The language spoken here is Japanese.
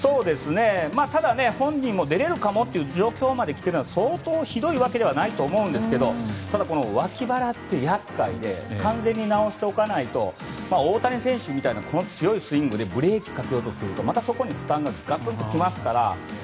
ただ、本人も出れるかもという状況まで来ているので相当ひどいわけではないと思いますがただ、脇腹って厄介で完全に治しておかないと大谷選手みたいにこの強いスイングにブレーキをかけようとするとまた負担がそこにガツンと来ますから。